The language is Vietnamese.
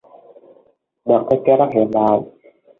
Được thiết kế rất hiện đại